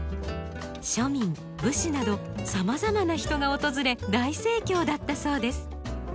庶民武士などさまざまな人が訪れ大盛況だったそうです。